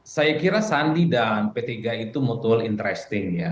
saya kira sandi dan p tiga itu mutual interesting ya